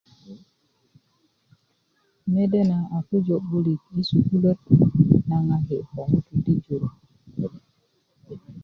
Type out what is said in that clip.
mede na a pujö 'bulit i sukuluwöt na ŋaki ko ŋutuu ti jur